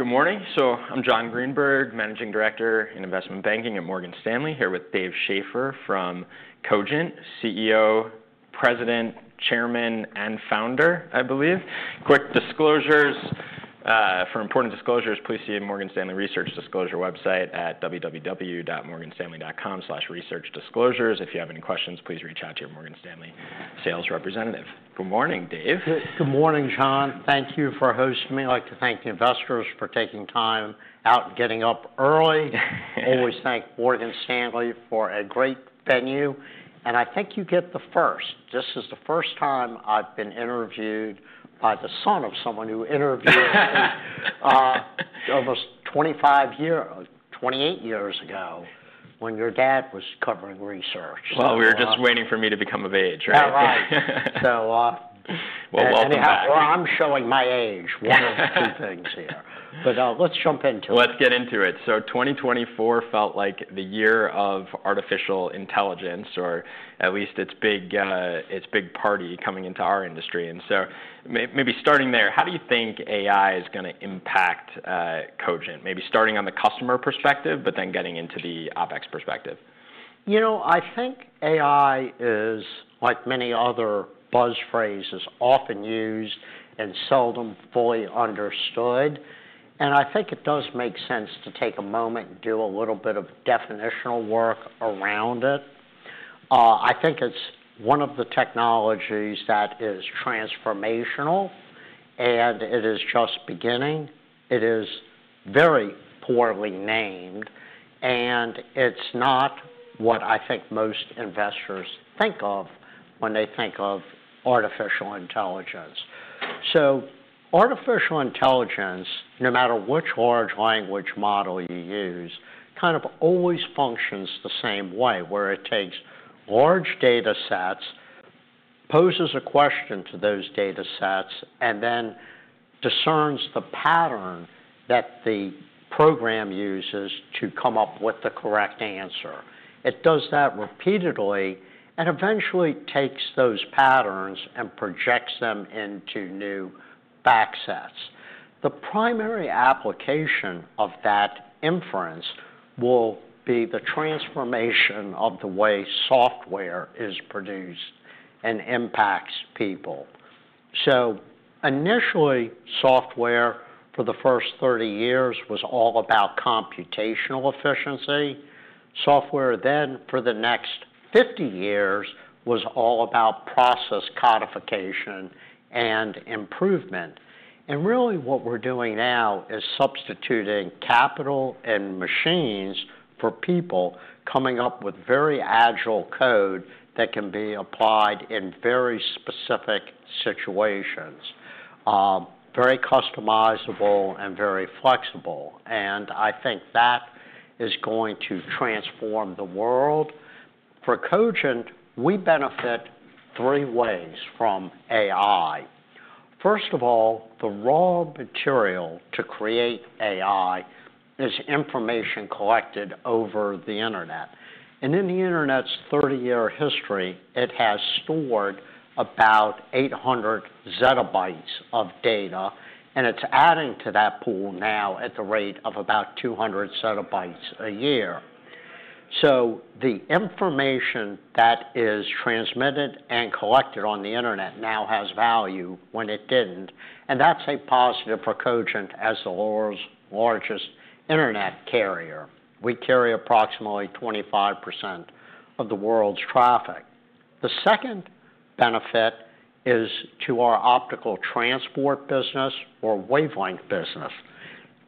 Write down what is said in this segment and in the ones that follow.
Good morning. I am Jon Greenberg, Managing Director in Investment Banking at Morgan Stanley, here with Dave Schaeffer from Cogent, CEO, President, Chairman, and Founder, I believe. Quick disclosures for important disclosures. Please see the Morgan Stanley Research Disclosure website at www.morganstanley.com/researchdisclosures. If you have any questions, please reach out to your Morgan Stanley sales representative. Good morning, Dave. Good morning, Jon. Thank you for hosting me. I'd like to thank the investors for taking time out and getting up early. Always thank Morgan Stanley for a great venue. I think you get the first. This is the first time I've been interviewed by the son of someone who interviewed me almost 25 years, 28 years ago, when your dad was covering research. We were just waiting for me to become of age, right? Right. Welcome back. I'm showing my age, one of two things here. But let's jump into it. Let's get into it. 2024 felt like the year of artificial intelligence, or at least its big party coming into our industry. Maybe starting there, how do you think AI is going to impact Cogent? Maybe starting on the customer perspective, but then getting into the OpEx perspective. You know, I think AI is, like many other buzz phrases, often used and seldom fully understood. I think it does make sense to take a moment and do a little bit of definitional work around it. I think it's one of the technologies that is transformational, and it is just beginning. It is very poorly named, and it's not what I think most investors think of when they think of artificial intelligence. Artificial intelligence, no matter which large language model you use, kind of always functions the same way, where it takes large data sets, poses a question to those data sets, and then discerns the pattern that the program uses to come up with the correct answer. It does that repeatedly and eventually takes those patterns and projects them into new back sets. The primary application of that inference will be the transformation of the way software is produced and impacts people. Initially, software for the first 30 years was all about computational efficiency. Software then for the next 50 years was all about process codification and improvement. What we are doing now is substituting capital and machines for people, coming up with very agile code that can be applied in very specific situations, very customizable and very flexible. I think that is going to transform the world. For Cogent, we benefit three ways from AI. First of all, the raw material to create AI is information collected over the internet. In the internet's 30-year history, it has stored about 800 ZB of data, and it is adding to that pool now at the rate of about 200 ZB a year. The information that is transmitted and collected on the internet now has value when it did not. That is a positive for Cogent as the world's largest internet carrier. We carry approximately 25% of the world's traffic. The second benefit is to our optical transport business or wavelength business.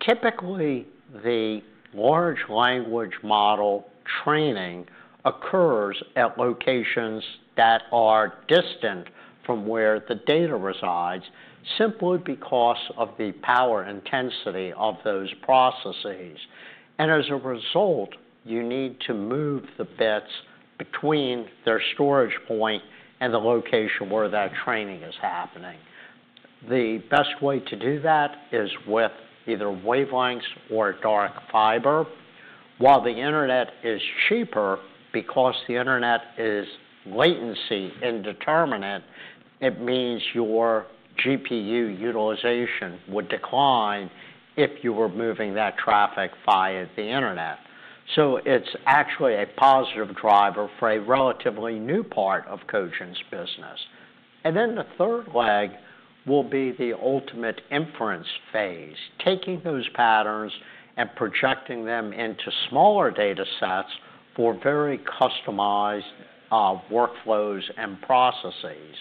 Typically, the large language model training occurs at locations that are distant from where the data resides, simply because of the power intensity of those processes. As a result, you need to move the bits between their storage point and the location where that training is happening. The best way to do that is with either wavelengths or dark fiber. While the internet is cheaper, because the internet is latency indeterminate, it means your GPU utilization would decline if you were moving that traffic via the internet. It's actually a positive driver for a relatively new part of Cogent's business. Then the third leg will be the ultimate inference phase, taking those patterns and projecting them into smaller data sets for very customized workflows and processes.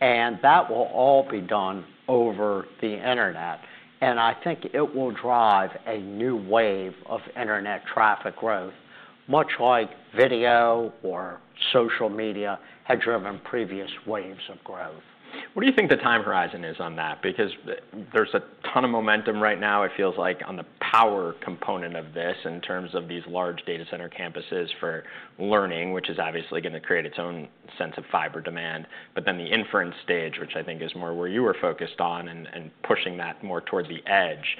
That will all be done over the internet. I think it will drive a new wave of internet traffic growth, much like video or social media had driven previous waves of growth. What do you think the time horizon is on that? Because there's a ton of momentum right now, it feels like, on the power component of this in terms of these large data center campuses for learning, which is obviously going to create its own sense of fiber demand. Then the inference stage, which I think is more where you were focused on and pushing that more toward the edge,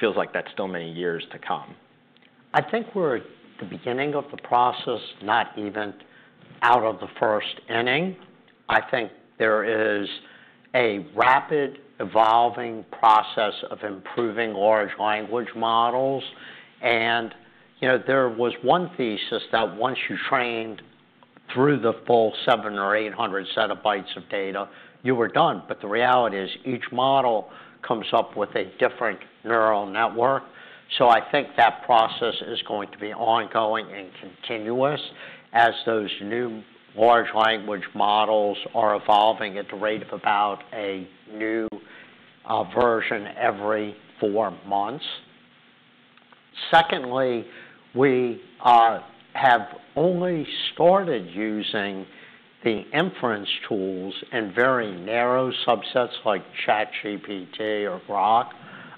feels like that's still many years to come. I think we're at the beginning of the process, not even out of the first inning. I think there is a rapid evolving process of improving large language models. There was one thesis that once you trained through the full 700 ZB or 800 ZB of data, you were done. The reality is each model comes up with a different neural network. I think that process is going to be ongoing and continuous as those new large language models are evolving at the rate of about a new version every four months. Secondly, we have only started using the inference tools in very narrow subsets like ChatGPT or Grok.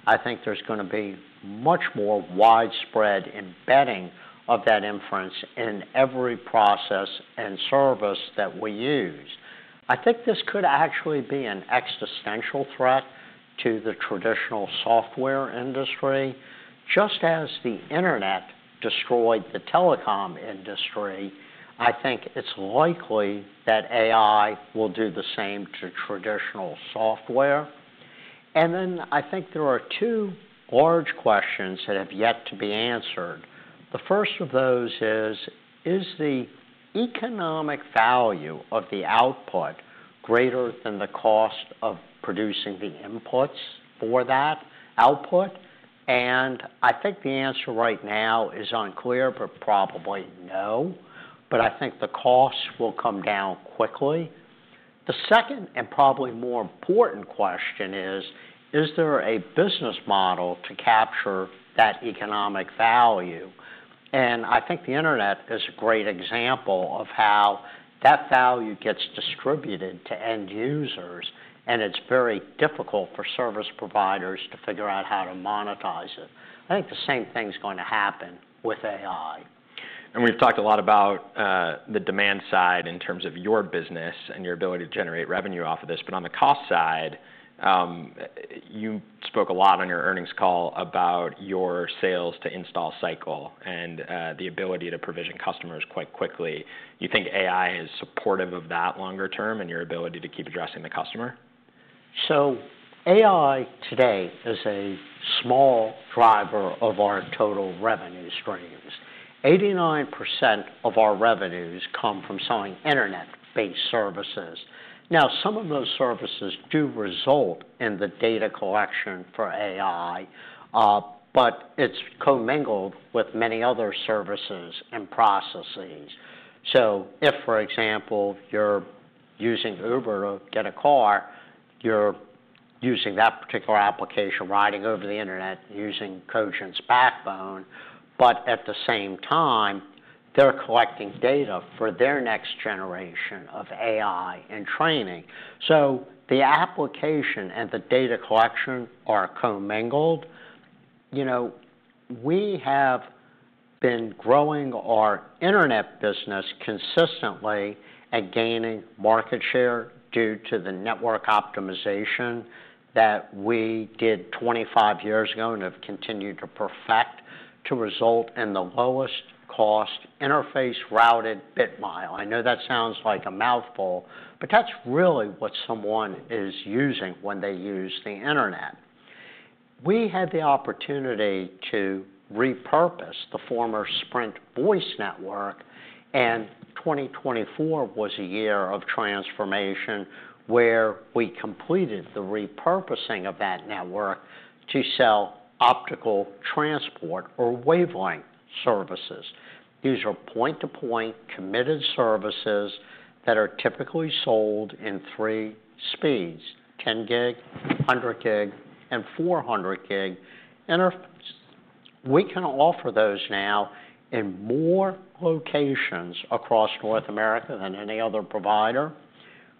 I think there's going to be much more widespread embedding of that inference in every process and service that we use. I think this could actually be an existential threat to the traditional software industry. Just as the internet destroyed the telecom industry, I think it's likely that AI will do the same to traditional software. There are two large questions that have yet to be answered. The first of those is, is the economic value of the output greater than the cost of producing the inputs for that output? I think the answer right now is unclear, but probably no. I think the cost will come down quickly. The second and probably more important question is, is there a business model to capture that economic value? I think the internet is a great example of how that value gets distributed to end users, and it's very difficult for service providers to figure out how to monetize it. I think the same thing is going to happen with AI. We have talked a lot about the demand side in terms of your business and your ability to generate revenue off of this. On the cost side, you spoke a lot on your earnings call about your sales to install cycle and the ability to provision customers quite quickly. You think AI is supportive of that longer term and your ability to keep addressing the customer? AI today is a small driver of our total revenue streams. 89% of our revenues come from selling internet-based services. Now, some of those services do result in the data collection for AI, but it's commingled with many other services and processes. For example, if you're using Uber to get a car, you're using that particular application, riding over the internet, using Cogent's backbone. At the same time, they're collecting data for their next generation of AI and training. The application and the data collection are commingled. We have been growing our internet business consistently and gaining market share due to the network optimization that we did 25 years ago and have continued to perfect to result in the lowest cost interface routed bit mile. I know that sounds like a mouthful, but that's really what someone is using when they use the internet. We had the opportunity to repurpose the former Sprint Voice Network, and 2024 was a year of transformation where we completed the repurposing of that network to sell optical transport or wavelength services. These are point-to-point committed services that are typically sold in three speeds: 10 gig, 100 gig, and 400 gig. We can offer those now in more locations across North America than any other provider.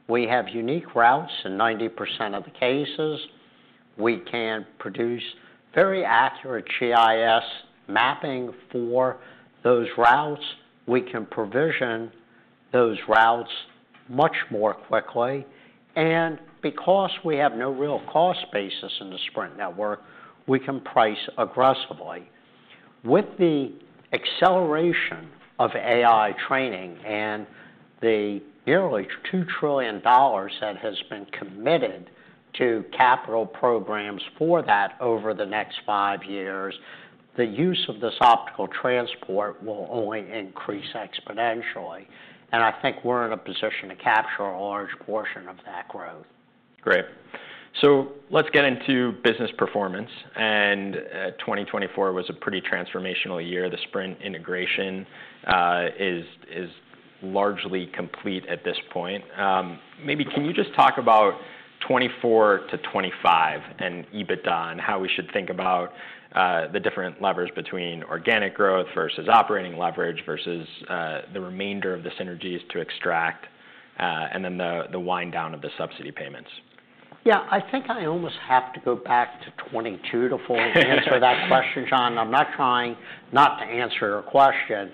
We have unique routes in 90% of the cases. We can produce very accurate GIS mapping for those routes. We can provision those routes much more quickly. Because we have no real cost basis in the Sprint network, we can price aggressively. With the acceleration of AI training and the nearly $2 trillion that has been committed to capital programs for that over the next five years, the use of this optical transport will only increase exponentially. I think we're in a position to capture a large portion of that growth. Great. Let's get into business performance. And 2024 was a pretty transformational year. The Sprint integration is largely complete at this point. Maybe can you just talk about 2024 to 2025 and EBITDA and how we should think about the different levers between organic growth versus operating leverage versus the remainder of the synergies to extract and then the wind down of the subsidy payments? Yeah, I think I almost have to go back to 2022 to fully answer that question, Jon. I'm not trying not to answer your question.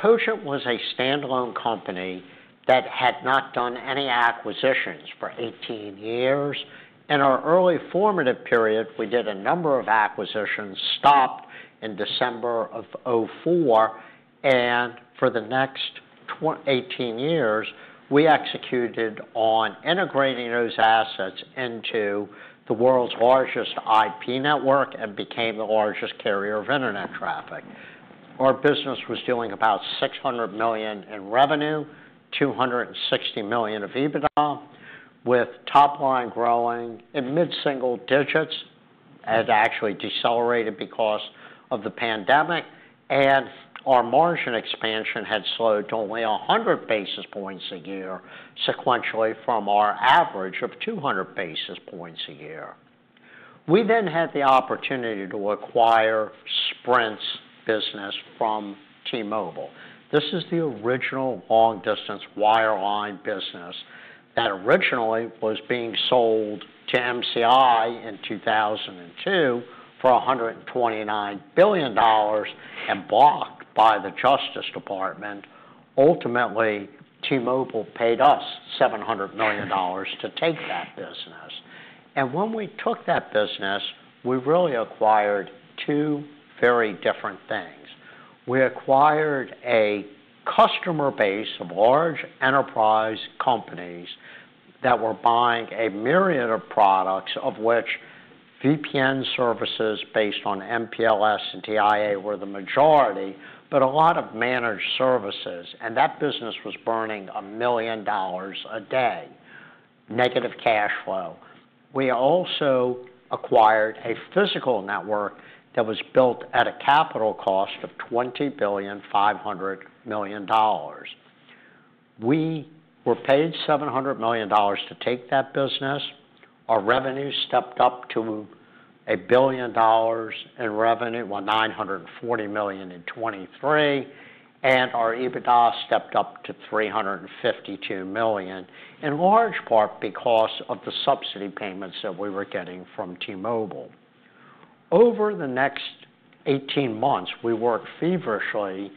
Cogent was a standalone company that had not done any acquisitions for 18 years. In our early formative period, we did a number of acquisitions, stopped in December of 2004. For the next 18 years, we executed on integrating those assets into the world's largest IP network and became the largest carrier of internet traffic. Our business was doing about $600 million in revenue, $260 million of EBITDA, with top line growing in mid-single digits. It actually decelerated because of the pandemic, and our margin expansion had slowed to only 100 basis points a year, sequentially from our average of 200 basis points a year. We then had the opportunity to acquire Sprint's business from T-Mobile. This is the original long-distance wireline business that originally was being sold to MCI in 2002 for $129 billion and blocked by the Justice Department. Ultimately, T-Mobile paid us $700 million to take that business. When we took that business, we really acquired two very different things. We acquired a customer base of large enterprise companies that were buying a myriad of products, of which VPN services based on MPLS and DIA were the majority, but a lot of managed services. That business was burning $1 million a day, negative cash flow. We also acquired a physical network that was built at a capital cost of $20.5 billion. We were paid $700 million to take that business. Our revenue stepped up to $1 billion in revenue while $940 million in 2023, and our EBITDA stepped up to $352 million, in large part because of the subsidy payments that we were getting from T-Mobile. Over the next 18 months, we worked feverishly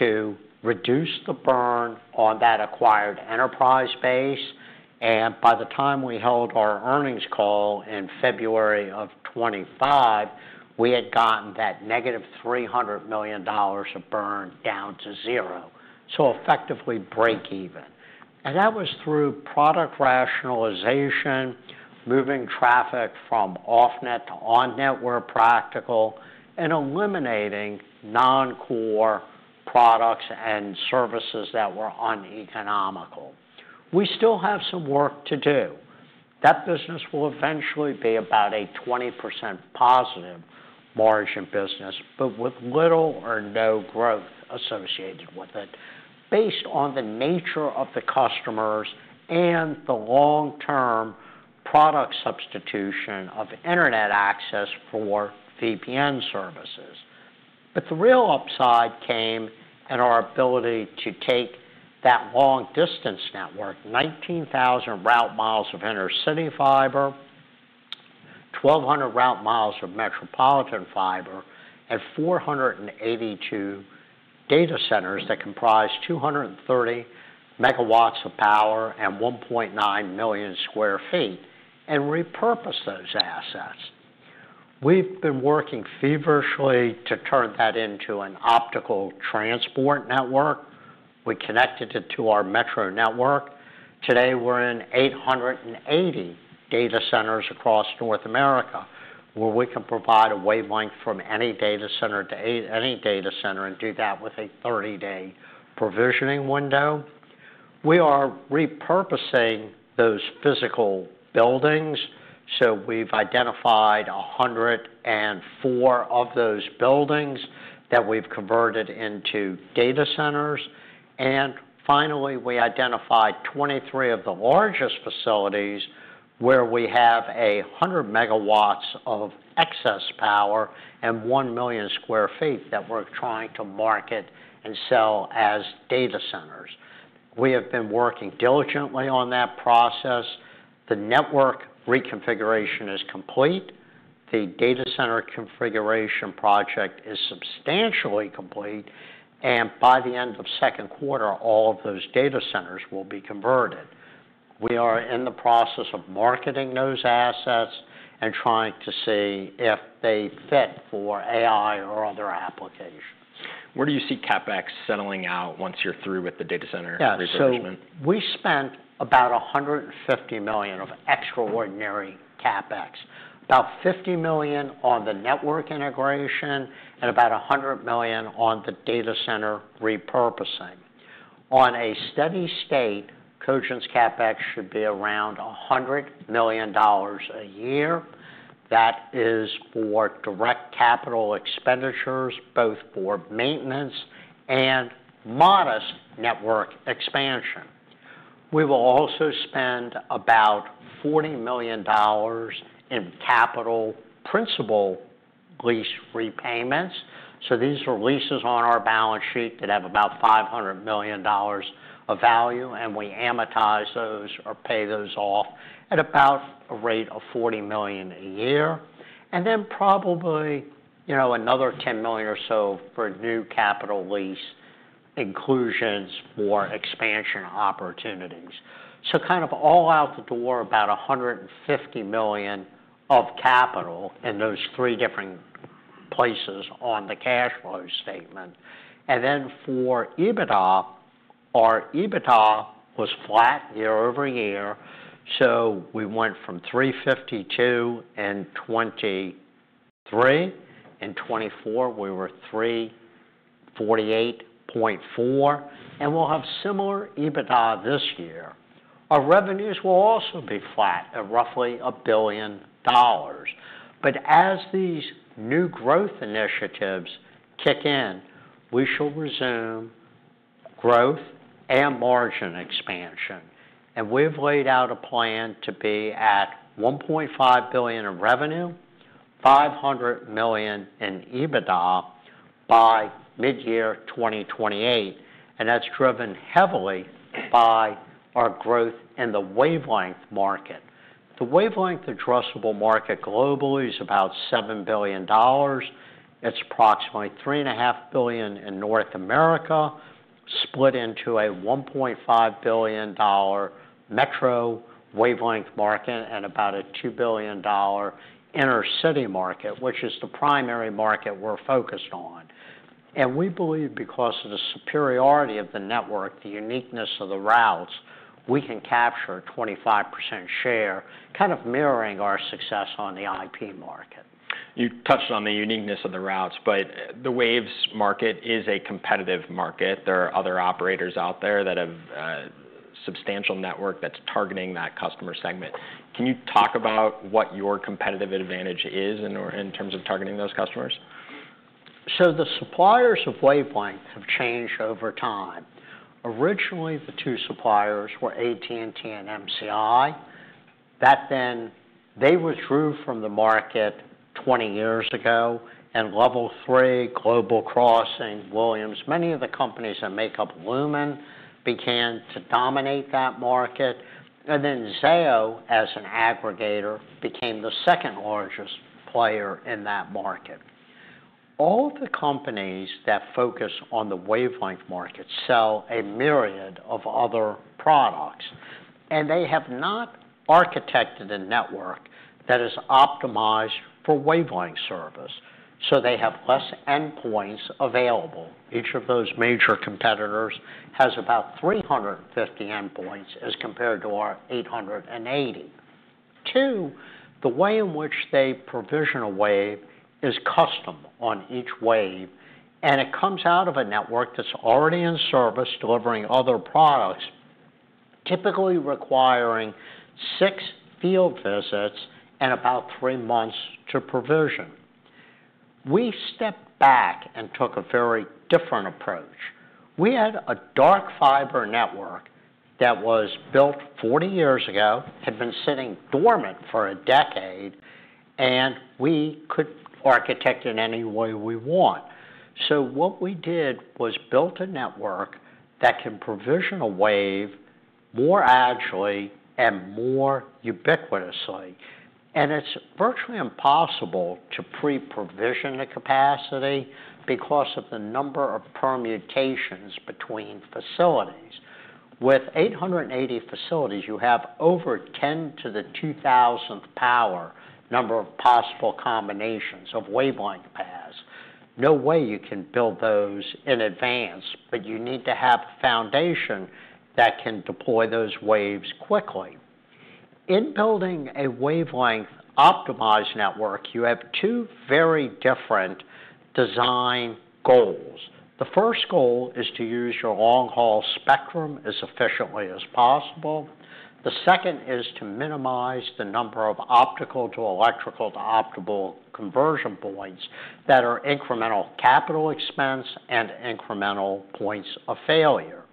to reduce the burn on that acquired enterprise base. By the time we held our earnings call in February of 2025, we had gotten that negative $300 million of burn down to zero, so effectively breakeven. That was through product rationalization, moving traffic from off-net to on-net where practical, and eliminating non-core products and services that were uneconomical. We still have some work to do. That business will eventually be about a 20% positive margin business, but with little or no growth associated with it, based on the nature of the customers and the long-term product substitution of internet access for VPN services. The real upside came in our ability to take that long-distance network, 19,000 route miles of intercity fiber, 1,200 route miles of metropolitan fiber, and 482 data centers that comprise 230 MW of power and 1.9 million sq ft, and repurpose those assets. We've been working feverishly to turn that into an optical transport network. We connected it to our metro network. Today, we're in 880 data centers across North America, where we can provide a wavelength from any data center to any data center and do that with a 30-day provisioning window. We are repurposing those physical buildings. We've identified 104 of those buildings that we've converted into data centers. Finally, we identified 23 of the largest facilities where we have 100 MW of excess power and 1 million sq ft that we're trying to market and sell as data centers. We have been working diligently on that process. The network reconfiguration is complete. The data center configuration project is substantially complete. By the end of second quarter, all of those data centers will be converted. We are in the process of marketing those assets and trying to see if they fit for AI or other applications. Where do you see CapEx settling out once you're through with the data center repositionment? We spent about $150 million of extraordinary CapEx, about $50 million on the network integration and about $100 million on the data center repurposing. On a steady state, Cogent's CapEx should be around $100 million a year. That is for direct capital expenditures, both for maintenance and modest network expansion. We will also spend about $40 million in capital principal lease repayments. These are leases on our balance sheet that have about $500 million of value, and we amortize those or pay those off at about a rate of $40 million a year. Probably another $10 million or so for new capital lease inclusions for expansion opportunities. All out the door, about $150 million of capital in those three different places on the cash flow statement. For EBITDA, our EBITDA was flat year-over-year. We went from $352 in 2023. In 2024, we were $348.4. We will have similar EBITDA this year. Our revenues will also be flat at roughly $1 billion. As these new growth initiatives kick in, we shall resume growth and margin expansion. We have laid out a plan to be at $1.5 billion in revenue, $500 million in EBITDA by mid-year 2028. That is driven heavily by our growth in the wavelength market. The wavelength addressable market globally is about $7 billion. It is approximately $3.5 billion in North America, split into a $1.5 billion metro wavelength market and about a $2 billion inner city market, which is the primary market we are focused on. We believe because of the superiority of the network, the uniqueness of the routes, we can capture a 25% share, kind of mirroring our success on the IP market. You touched on the uniqueness of the routes, but the waves market is a competitive market. There are other operators out there that have substantial network that's targeting that customer segment. Can you talk about what your competitive advantage is in terms of targeting those customers? The suppliers of wavelength have changed over time. Originally, the two suppliers were AT&T and MCI. Back then, they withdrew from the market 20 years ago. Level 3, Global Crossing, Williams, many of the companies that make up Lumen began to dominate that market. Zayo, as an aggregator, became the second largest player in that market. All the companies that focus on the wavelength market sell a myriad of other products. They have not architected a network that is optimized for wavelength service. They have fewer endpoints available. Each of those major competitors has about 350 endpoints as compared to our 880. Two, the way in which they provision a wave is custom on each wave. It comes out of a network that is already in service delivering other products, typically requiring six field visits and about three months to provision. We stepped back and took a very different approach. We had a dark fiber network that was built 40 years ago, had been sitting dormant for a decade, and we could architect it any way we want. What we did was built a network that can provision a wave more agile and more ubiquitously. It is virtually impossible to pre-provision the capacity because of the number of permutations between facilities. With 880 facilities, you have over 10 to the 2000th power number of possible combinations of wavelength paths. No way you can build those in advance, but you need to have a foundation that can deploy those waves quickly. In building a wavelength optimized network, you have two very different design goals. The first goal is to use your long-haul spectrum as efficiently as possible. The second is to minimize the number of optical to electrical to optical conversion points that are incremental capital expense and incremental points of failure.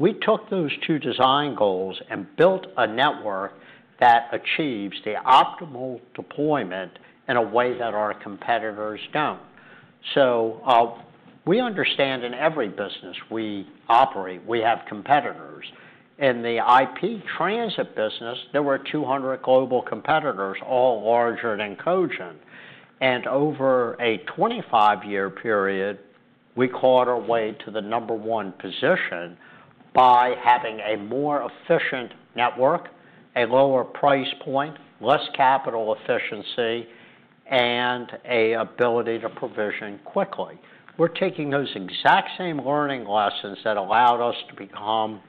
We took those two design goals and built a network that achieves the optimal deployment in a way that our competitors do not. We understand in every business we operate, we have competitors. In the IP transit business, there were 200 global competitors, all larger than Cogent. Over a 25-year period, we caught our way to the number one position by having a more efficient network, a lower price point, less capital efficiency, and an ability to provision quickly. We are taking those exact same learning lessons that allowed us to become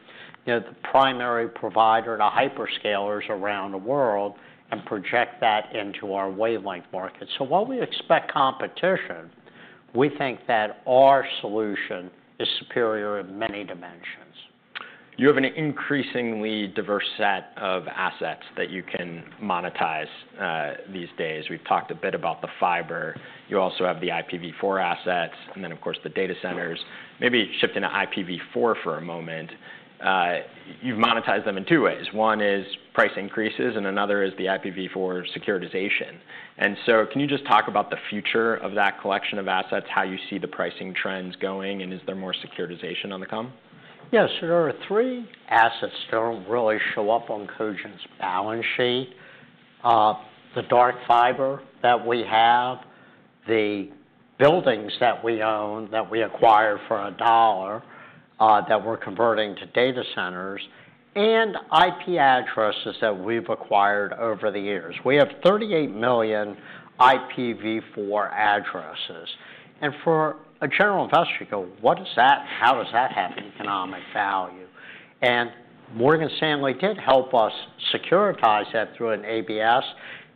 the primary provider to hyperscalers around the world and project that into our wavelength market. While we expect competition, we think that our solution is superior in many dimensions. You have an increasingly diverse set of assets that you can monetize these days. We've talked a bit about the fiber. You also have the IPv4 assets, and then, of course, the data centers. Maybe shifting to IPv4 for a moment. You've monetized them in two ways. One is price increases, and another is the IPv4 securitization. Can you just talk about the future of that collection of assets, how you see the pricing trends going, and is there more securitization on the come? Yes. There are three assets that do not really show up on Cogent's balance sheet: the dark fiber that we have, the buildings that we own that we acquired for a dollar that we are converting to data centers, and IP addresses that we have acquired over the years. We have 38 million IPv4 addresses. For a general investor to go, "What is that? How does that have economic value?" Morgan Stanley did help us securitize that through an ABS.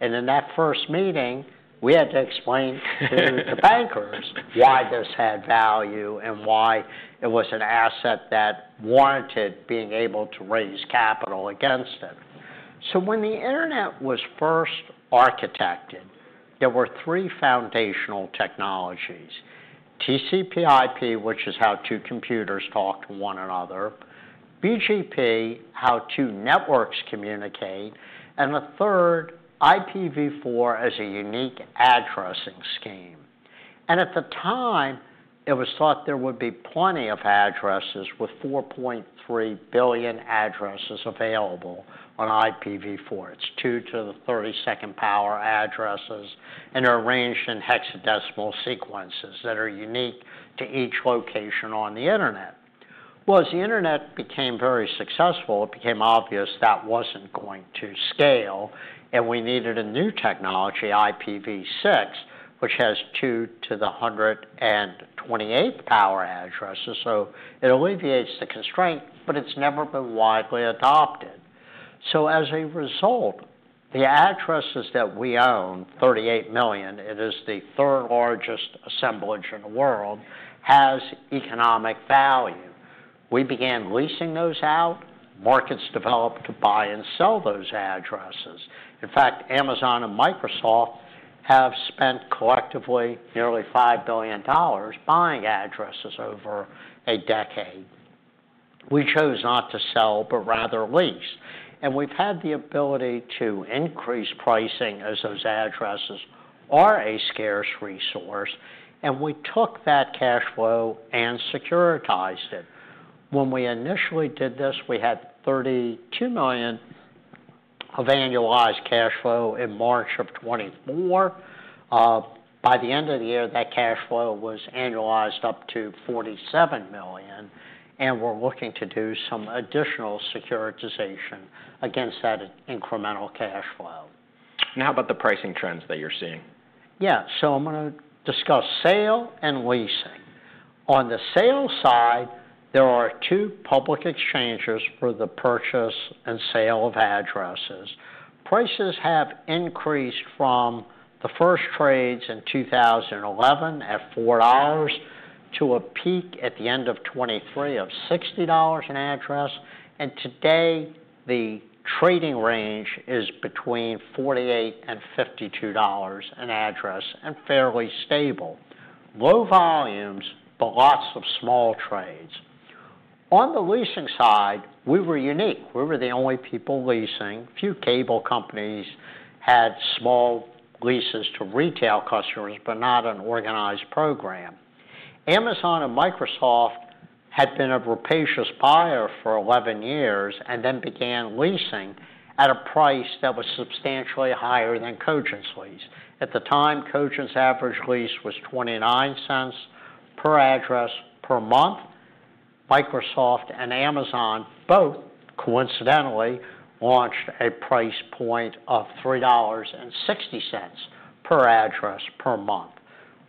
In that first meeting, we had to explain to the bankers why this had value and why it was an asset that warranted being able to raise capital against it. When the internet was first architected, there were three foundational technologies: TCP/IP, which is how two computers talk to one another; BGP, how two networks communicate; and the third, IPv4 as a unique addressing scheme. At the time, it was thought there would be plenty of addresses with 4.3 billion addresses available on IPv4. It is 2 to the 32nd power addresses and arranged in hexadecimal sequences that are unique to each location on the internet. As the internet became very successful, it became obvious that was not going to scale. We needed a new technology, IPv6, which has 2 to the 128th power addresses. It alleviates the constraint, but it has never been widely adopted. As a result, the addresses that we own, 38 million, it is the third largest assemblage in the world, has economic value. We began leasing those out. Markets developed to buy and sell those addresses. In fact, Amazon and Microsoft have spent collectively nearly $5 billion buying addresses over a decade. We chose not to sell, but rather lease. We have had the ability to increase pricing as those addresses are a scarce resource. We took that cash flow and securitized it. When we initially did this, we had $32 million of annualized cash flow in March of 2024. By the end of the year, that cash flow was annualized up to $47 million. We are looking to do some additional securitization against that incremental cash flow. How about the pricing trends that you're seeing? Yeah. I'm going to discuss sale and leasing. On the sale side, there are two public exchanges for the purchase and sale of addresses. Prices have increased from the first trades in 2011 at $4 to a peak at the end of 2023 of $60 an address. Today, the trading range is between $48 and $52 an address and fairly stable. Low volumes, but lots of small trades. On the leasing side, we were unique. We were the only people leasing. Few cable companies had small leases to retail customers, but not an organized program. Amazon and Microsoft had been a rapacious buyer for 11 years and then began leasing at a price that was substantially higher than Cogent's lease. At the time, Cogent's average lease was $0.29 per address per month. Microsoft and Amazon both, coincidentally, launched a price point of $3.60 per address per month.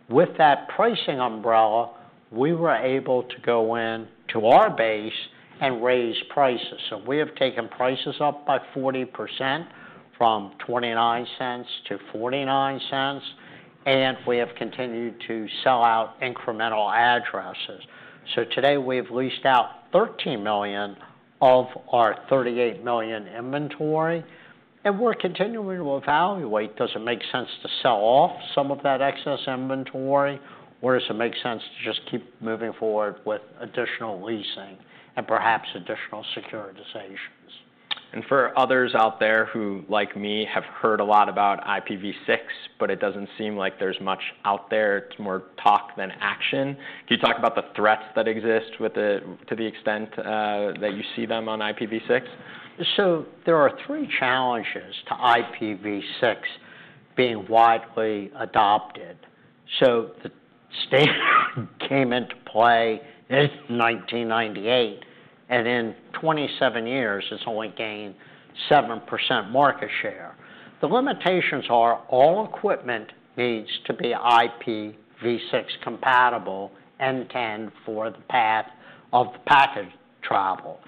With that pricing umbrella, we were able to go into our base and raise prices. We have taken prices up by 40% from $0.29 to $0.49. We have continued to sell out incremental addresses. Today, we have leased out 13 million of our 38 million inventory. We are continuing to evaluate. Does it make sense to sell off some of that excess inventory, or does it make sense to just keep moving forward with additional leasing and perhaps additional securitizations? For others out there who, like me, have heard a lot about IPv6, but it doesn't seem like there's much out there. It's more talk than action. Can you talk about the threats that exist to the extent that you see them on IPv6? There are three challenges to IPv6 being widely adopted. The standard came into play in 1998. In 27 years, it has only gained 7% market share. The limitations are all equipment needs to be IPv6 compatible and can for the path of the packet travel.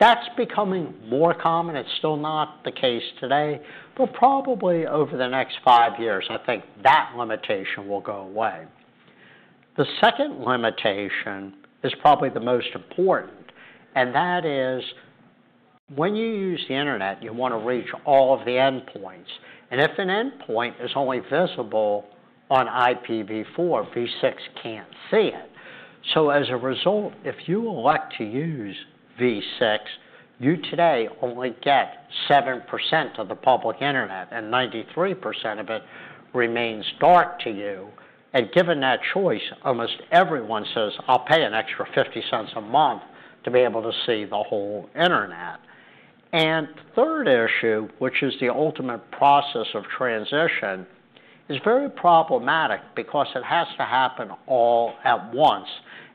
That is becoming more common. It is still not the case today, but probably over the next five years, I think that limitation will go away. The second limitation is probably the most important. That is when you use the internet, you want to reach all of the endpoints. If an endpoint is only visible on IPv4, IPv6 cannot see it. As a result, if you elect to use IPv6, you today only get 7% of the public internet, and 93% of it remains dark to you. Given that choice, almost everyone says, "I'll pay an extra $0.50 a month to be able to see the whole internet." The third issue, which is the ultimate process of transition, is very problematic because it has to happen all at once.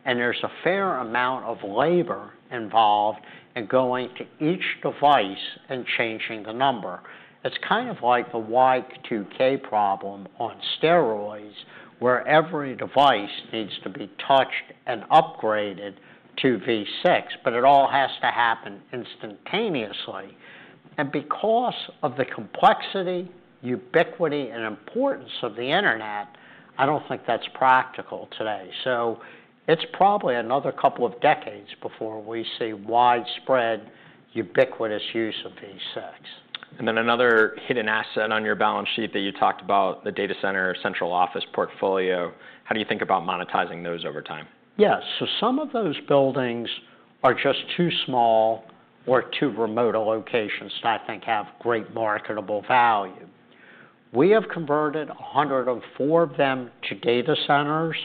There is a fair amount of labor involved in going to each device and changing the number. It is kind of like the Y2K problem on steroids, where every device needs to be touched and upgraded to V6, but it all has to happen instantaneously. Because of the complexity, ubiquity, and importance of the internet, I do not think that is practical today. It is probably another couple of decades before we see widespread ubiquitous use of V6. Another hidden asset on your balance sheet that you talked about, the data center central office portfolio. How do you think about monetizing those over time? Yes. Some of those buildings are just too small or too remote a location to, I think, have great marketable value. We have converted 104 of them to data centers.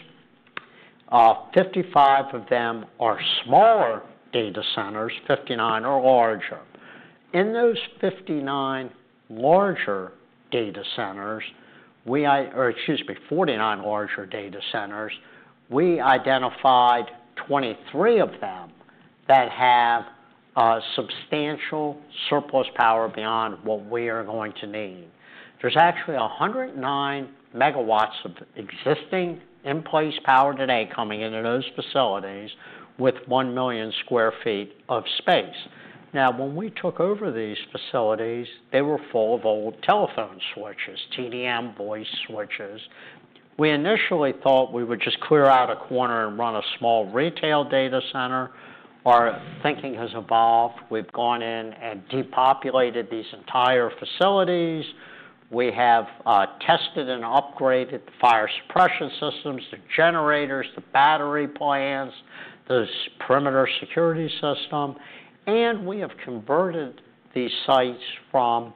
55 of them are smaller data centers. 49 are larger. In those 49 larger data centers, we identified 23 of them that have substantial surplus power beyond what we are going to need. There is actually 109 MW of existing in-place power today coming into those facilities with 1 million sq ft of space. Now, when we took over these facilities, they were full of old telephone switches, TDM voice switches. We initially thought we would just clear out a corner and run a small retail data center. Our thinking has evolved. We have gone in and depopulated these entire facilities. We have tested and upgraded the fire suppression systems, the generators, the battery plants, the perimeter security system. We have converted these sites from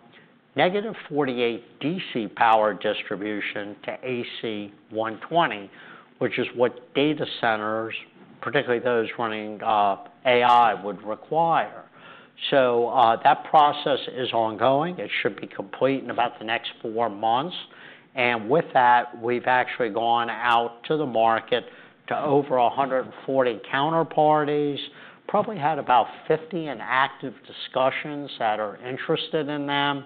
-48 DC power distribution to AC 120, which is what data centers, particularly those running AI, would require. That process is ongoing. It should be complete in about the next four months. With that, we've actually gone out to the market to over 140 counterparties, probably had about 50 in active discussions that are interested in them.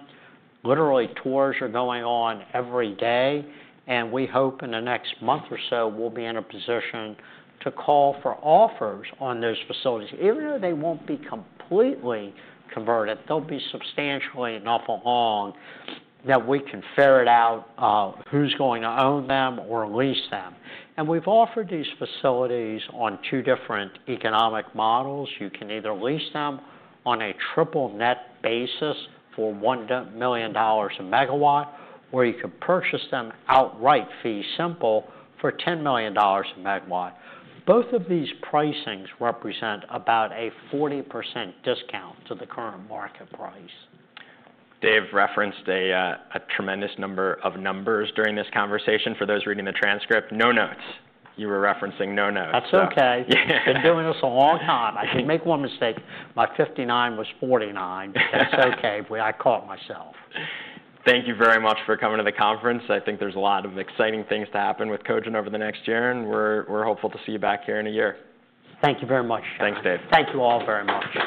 Literally, tours are going on every day. We hope in the next month or so, we'll be in a position to call for offers on those facilities. Even though they won't be completely converted, they'll be substantially enough along that we can ferret out who's going to own them or lease them. We've offered these facilities on two different economic models. You can either lease them on a triple net basis for $1 million a megawatt, or you can purchase them outright fee simple for $10 million a megawatt. Both of these pricings represent about a 40% discount to the current market price. Dave referenced a tremendous number of numbers during this conversation. For those reading the transcript, no notes. You were referencing no notes. That's okay. It's been doing this a long time. I can make one mistake. My 59 was 49. That's okay. I caught myself. Thank you very much for coming to the conference. I think there's a lot of exciting things to happen with Cogent over the next year. We are hopeful to see you back here in a year. Thank you very much, Jon. Thanks, Dave. Thank you all very much.